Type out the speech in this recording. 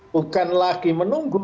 bukan lagi menunggu